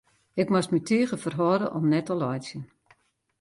Ik moast my tige ferhâlde om net te laitsjen.